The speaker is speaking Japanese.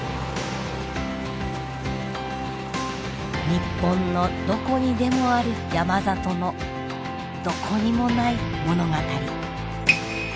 日本のどこにでもある山里のどこにもない物語。